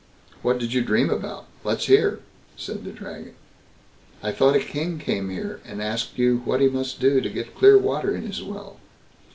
"What did you dream about? Let's hear?" said the Dragon. "I thought a king came here, and asked you what he must do to get clear water in his well."